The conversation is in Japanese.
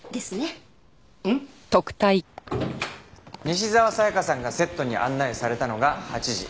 西沢紗香さんがセットに案内されたのが８時。